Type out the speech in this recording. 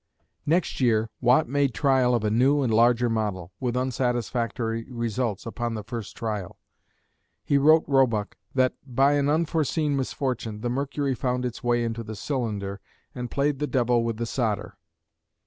Next year Watt made trial of a new and larger model, with unsatisfactory results upon the first trial. He wrote Roebuck that "by an unforeseen misfortune, the mercury found its way into the cylinder and played the devil with the solder."